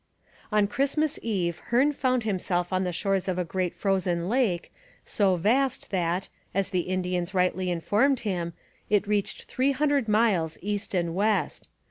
On Christmas Eve Hearne found himself on the shores of a great frozen lake, so vast that, as the Indians rightly informed him, it reached three hundred miles east and west.